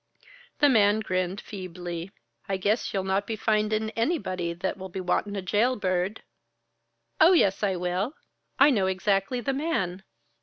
The man grinned feebly. "I guess ye'll not be findin' anybody that will be wantin' a jailbird." "Oh, yes, I will! I know exactly the man.